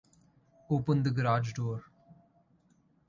Open the garage door!